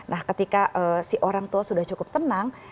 nah ketika si orang tua sudah cukup tenang